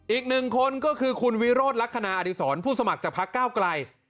อีกหนึ่งคนก็คือคุณวิโรธลักษณะอดีศรผู้สมัครจากพักก้าวไกล